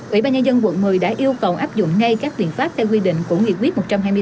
ủy ban nhân dân quận một mươi đã yêu cầu áp dụng ngay các biện pháp theo quy định của nghị quyết một trăm hai mươi bốn